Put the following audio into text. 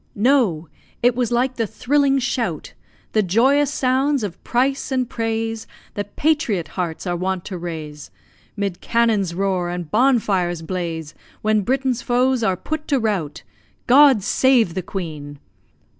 No! it was like the thrilling shout The joyous sounds of price and praise That patriot hearts are wont to raise, 'Mid cannon's roar and bonfires blaze, When Britain's foes are put to rout God save the Queen!